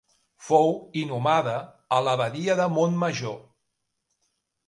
Fou inhumada a l'abadia de Montmajor.